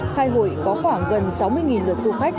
khai hội có khoảng gần sáu mươi lượt du khách